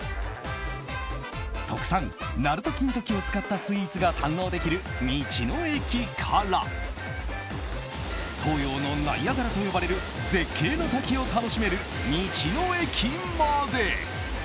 特産・鳴門金時を使ったスイーツが堪能できる道の駅から東洋のナイアガラと呼ばれる絶景の滝を楽しめる道の駅まで。